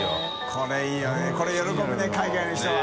海いいよねこれ喜ぶね海外の人は。